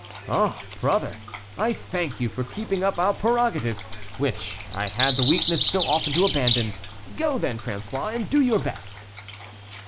"Ah, brother, I thank you for keeping up our prerogative, which I had the weakness so often to abandon. Go, then, François, and do your best."